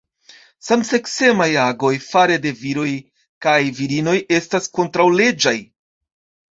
Samseksemaj agoj fare de viroj kaj virinoj estas kontraŭleĝaj.